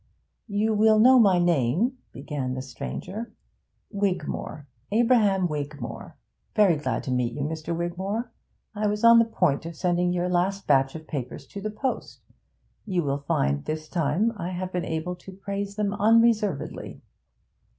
'You will know my name,' began the stranger. 'Wigmore Abraham Wigmore.' 'Very glad to meet you, Mr. Wigmore. I was on the point of sending your last batch of papers to the post. You will find, this time, I have been able to praise them unreservedly.'